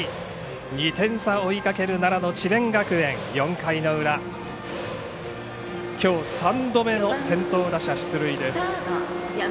２点差を追いかける奈良の智弁学園、４回の裏きょう３度目の先頭打者出塁です。